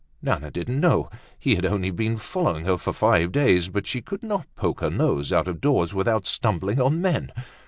_ Nana didn't know; he had only been following her for five days, but she could not poke her nose out of doors without stumbling on men.